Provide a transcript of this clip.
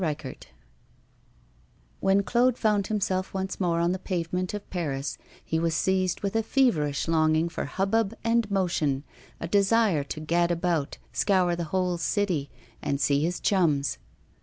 VII WHEN Claude found himself once more on the pavement of Paris he was seized with a feverish longing for hubbub and motion, a desire to gad about, scour the whole city, and see his chums.